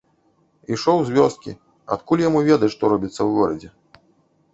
Ішоў з вёскі, адкуль яму ведаць, што робіцца ў горадзе.